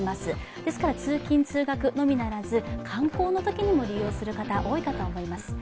ですから通勤・通学のみならず、観光のときにも利用する方、多いかと思います。